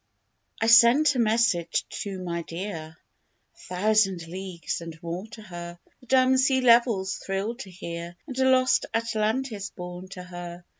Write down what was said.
I sent a message to my dear A thousand leagues and more to her The dumb sea levels thrilled to hear, And Lost Atlantis bore to her.